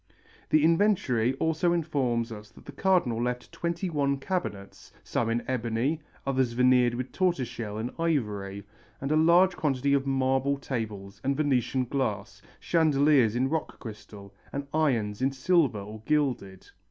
The inventory also informs us that the Cardinal left twenty one cabinets, some in ebony, others veneered with tortoise shell and ivory, and a large quantity of marble tables and Venetian glass, chandeliers in rock crystal, and irons in silver or gilded.